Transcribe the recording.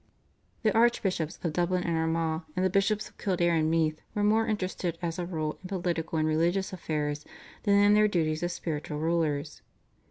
The Archbishops of Dublin and Armagh, and the Bishops of Kildare and Meath were more interested as a rule in political and religious affairs than in their duties as spiritual rulers.